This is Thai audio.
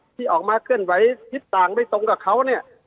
ที่ออกมาซึ่งต่างไปตรงกับเขาเนี้ย